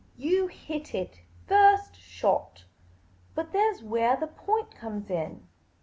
You hit it first shot. But there 's wheah the point comes in.